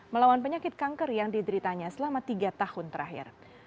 melawan penyakit kanker yang dideritanya selama tiga tahun terakhir